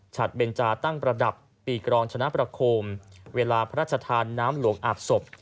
เบนจาตั้งประดับปีกรองชนะประโคมเวลาพระราชทานน้ำหลวงอาบศพ